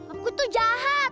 aku tuh jahat